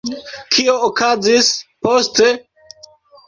Kio okazis poste?